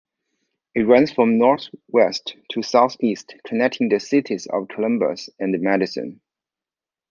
It runs from northwest-to-southeast connecting the cities of Columbus and Madison.